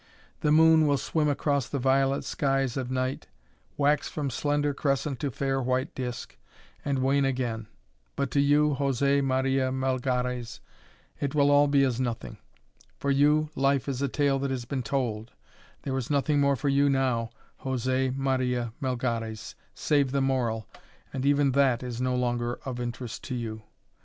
The moon will swim across the violet skies of night, wax from slender crescent to fair white disk, and wane again. But to you, José Maria Melgares, it will all be as nothing. For you, life is a tale that has been told; there is nothing more for you now, José Maria Melgares, save the moral, and even that is no longer of interest to you.